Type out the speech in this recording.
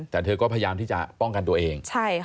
แต่เธอก็พยายามที่จะป้องกันตัวเอง